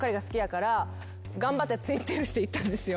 頑張ってツインテールして行ったんですよ。